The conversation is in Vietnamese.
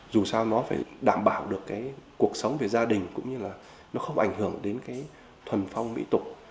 dù sao nó phải đảm bảo được cái cuộc sống về gia đình cũng như là nó không ảnh hưởng đến cái thuần phong mỹ tục